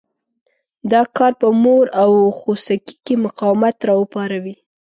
دا کار په مور او خوسکي کې مقاومت را پاروي.